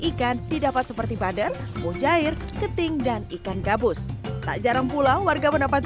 ikan didapat seperti bader mojair keting dan ikan gabus tak jarang pulang warga mendapat